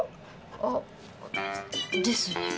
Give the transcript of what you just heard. あっです。